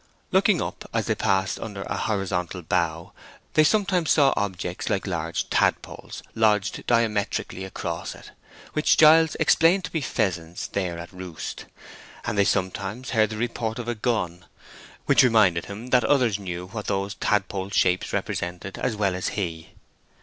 Looking up as they passed under a horizontal bough they sometimes saw objects like large tadpoles lodged diametrically across it, which Giles explained to be pheasants there at roost; and they sometimes heard the report of a gun, which reminded him that others knew what those tadpole shapes represented as well as he.